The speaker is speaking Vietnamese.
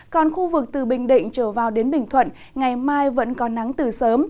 còn khu vực từ bình định trở vào đến bình thuận ngày mai vẫn có nắng từ sớm